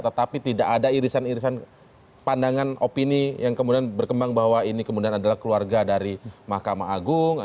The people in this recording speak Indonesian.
tetapi tidak ada irisan irisan pandangan opini yang kemudian berkembang bahwa ini kemudian adalah keluarga dari mahkamah agung